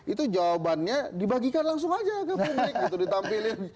itu jawabannya dibagikan langsung aja ke publik gitu ditampilin